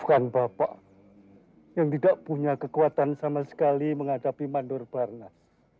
bukan bapak yang tidak punya kekuatan sama sekali menghadapi mandor barnas